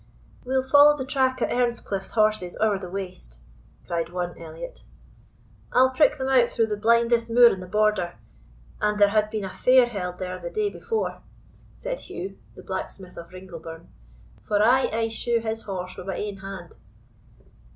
"We'll follow the track o' Earnscliff's horses ower the waste," cried one Elliot. "I'll prick them out through the blindest moor in the Border, an there had been a fair held there the day before," said Hugh, the blacksmith of Ringleburn, "for I aye shoe his horse wi' my ain hand."